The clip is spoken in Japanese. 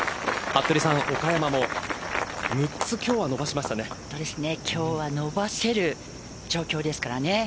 服部さん、岡山も今日は伸ばせる状況です。